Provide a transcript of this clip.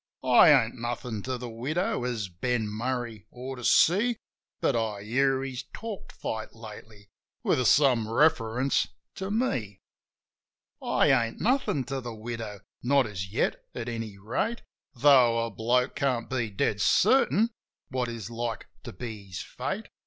I ain't nothin' to the widow, as Ben Murray ought to see; But I hear he's talked fight lately, with some reference to me. I ain't nothin' to the widow — not as yet, at any rate; Tho' a bloke can't be dead certain what is like to be his fate.